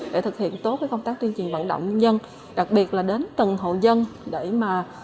để thực hiện tốt cái công tác tuyên truyền vận động nhân đặc biệt là đến tầng hộ dân để mà